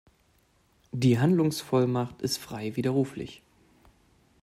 Die Handlungsvollmacht ist frei widerruflich.